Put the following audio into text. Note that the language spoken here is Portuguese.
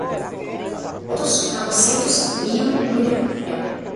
Oitocentos, novecentos, mil, um milhão